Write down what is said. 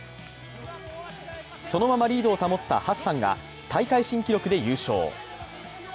そのままリードを保ったハッサンが大会新記録で優勝。